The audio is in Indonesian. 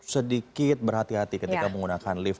sedikit berhati hati ketika menggunakan lift